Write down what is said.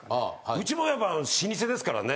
うちもやっぱ老舗ですからね